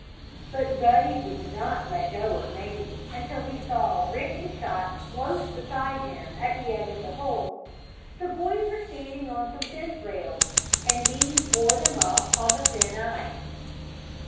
But Ruddy would not let go of Mazie until he saw Rick and Chot close beside him, at the edge of the hole. The boys were standing on some fence rails, and these bore them up on the thin ice.